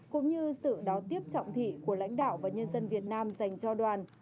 cũng như sự đón tiếp trọng thị của lãnh đạo và nhân dân việt nam dành cho đoàn